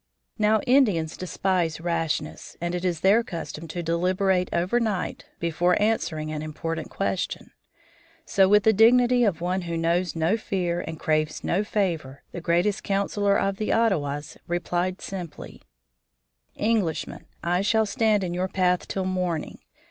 Now, Indians despise rashness, and it is their custom to deliberate over night before answering any important question. So, with the dignity of one who knows no fear and craves no favor, the greatest councilor of the Ottawas replied simply: "Englishmen, I shall stand in your path till morning.